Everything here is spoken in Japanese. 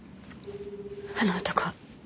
あの男